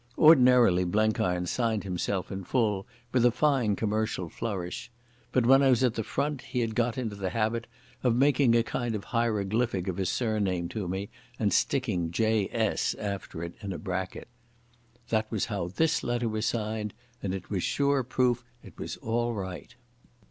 Ordinarily Blenkiron signed himself in full with a fine commercial flourish. But when I was at the Front he had got into the habit of making a kind of hieroglyphic of his surname to me and sticking J.S. after it in a bracket. That was how this letter was signed, and it was sure proof it was all right.